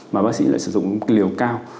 mà bác sĩ lại sử dụng liều cao